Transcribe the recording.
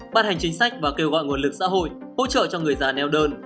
ban hành chính sách và kêu gọi nguồn lực xã hội hỗ trợ cho người già neo đơn